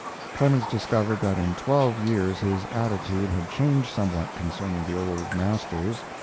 ] Clemens discovered that in twelve years his attitude had changed somewhat concerning the old masters.